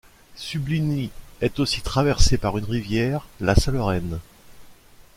Subligny est aussi traversé par une rivière, la Salereine.